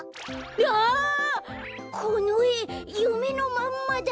あこのえゆめのまんまだ！